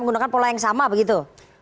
menggunakan pola yang sama begitu